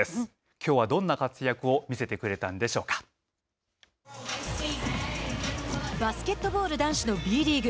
きょうはどんな活躍をバスケットボール男子のＢリーグ。